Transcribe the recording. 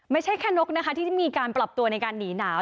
ไม่ใช่แค่นกนะคะที่ได้มีการปรับตัวในการหนีหนาว